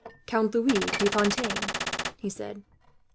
"Count Louis de Fontaine," he said.